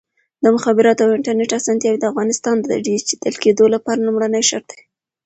د مخابراتو او انټرنیټ اسانتیاوې د افغانستان د ډیجیټل کېدو لپاره لومړنی شرط دی.